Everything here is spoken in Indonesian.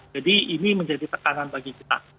jadi ini menjadi tekanan bagi kita